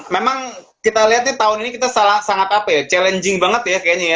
memang kita lihat tahun ini kita sangat apa ya challenging banget ya kayaknya ya